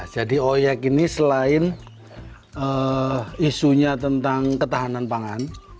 jadi oyek ini selain isunya tentang ketahanan pangan